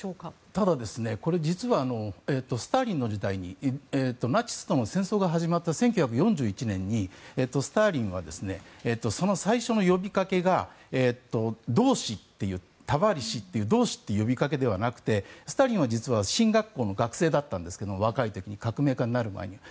ただ、これは実はスターリンの時代にナチスとの戦争が始まった１９４１年にスターリンはその最初の呼びかけが同士って呼びかけではなくてスターリンは実は神学校の学生だったんですけど革命家になる前には。